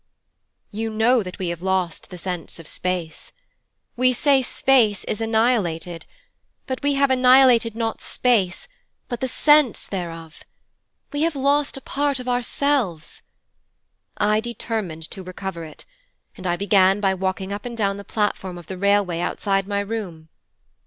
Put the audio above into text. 'You know that we have lost the sense of space. We say 'space is annihilated', but we have annihilated not space, but the sense thereof. We have lost a part of ourselves. I determined to recover it, and I began by walking up and down the platform of the railway outside my room.